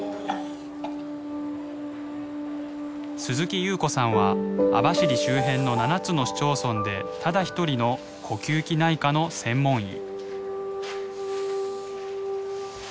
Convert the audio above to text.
鈴木夕子さんは網走周辺の７つの市町村でただ一人の呼吸器内科の専門医。